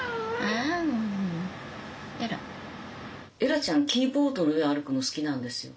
エラちゃんキーボードの上歩くの好きなんですよ。